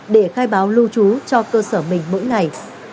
để khai báo lưu trú cho cơ sở mình mỗi ngày